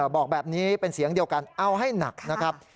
บอกแบบนี้เป็นเสียงเดียวกันเอาให้หนักนะครับ